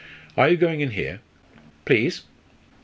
"Are you going in here?" "Please."